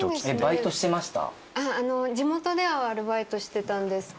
バイトしてました？